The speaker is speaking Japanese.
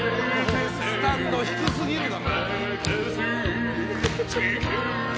スタンド低すぎるよ。